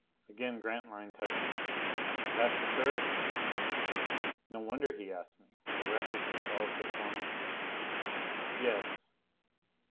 Again Grantline touched me. "That the turret?" No wonder he asked me! The wreckage was all so formless. "Yes."